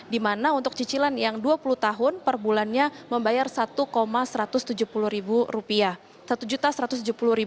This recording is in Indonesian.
di mana untuk cicilan yang dua puluh tahun per bulannya membayar rp satu satu ratus tujuh puluh satu